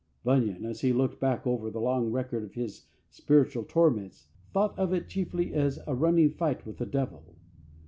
Bunyan, as he looked back over the long record of his spiritual torments, thought of it chiefly as a running fight with the Devil.